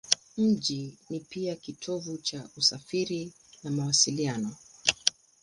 Mji ni pia kitovu cha usafiri na mawasiliano.